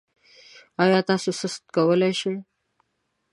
ایا تاسو سست کولی شئ؟